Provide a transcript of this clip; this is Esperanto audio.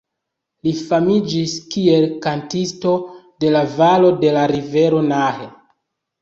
Li famiĝis kiel „kantisto de la valo de la rivero Nahe“.